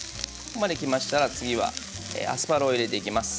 ここまできましたら次はアスパラを入れていきます。